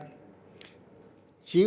chứ ban chỉ đạo